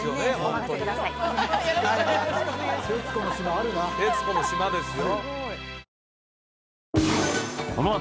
あるな「徹子の島」ですよ